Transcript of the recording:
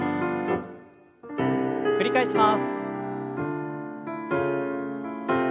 繰り返します。